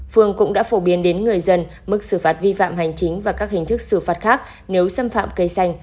phương cũng đã phổ biến đến người dân mức xử phạt vi phạm hành chính và các hình thức xử phạt khác nếu xâm phạm cây xanh